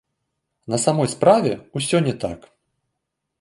На самой справе, ўсё не так.